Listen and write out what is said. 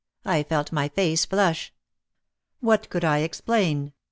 I felt my face flush. What could I explain?